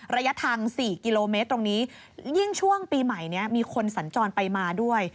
ระยะทาง๔กิโลเมตรตรงนี้ยิ่งช่วงปีใหม่นี้มีคนสัญจรไปมาด้วย